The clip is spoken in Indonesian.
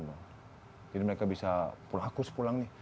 jadi mereka bisa pulang aku sepulang nih